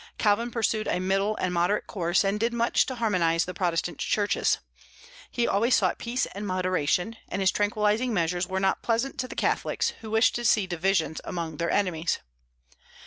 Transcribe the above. Calvin pursued a middle and moderate course, and did much to harmonize the Protestant churches. He always sought peace and moderation; and his tranquillizing measures were not pleasant to the Catholics, who wished to see divisions among their enemies.